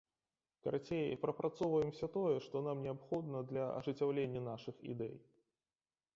Карацей, прапрацоўваем усё тое, што нам неабходна для ажыццяўлення нашых ідэй.